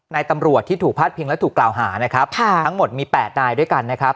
ตำรวจที่ถูกพาดพิงและถูกกล่าวหานะครับค่ะทั้งหมดมี๘นายด้วยกันนะครับ